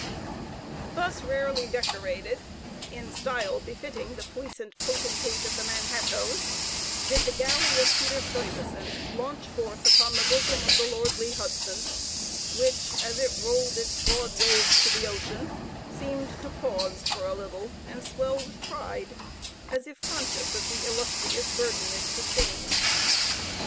Thus rarely decorated, in style befitting the puissant potentate of the Manhattoes, did the galley of Peter Stuyvesant launch forth upon the bosom of the lordly Hudson, which, as it rolled its broad waves to the ocean, seemed to pause for a while and swell with pride, as if conscious of the illustrious burden it sustained.